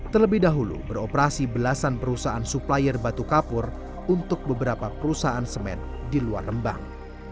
terlebih dahulu beroperasi belasan perusahaan supplier batu kapur untuk beberapa perusahaan semen di luar rembang